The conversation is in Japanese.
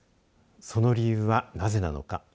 その理由はなぜなのか。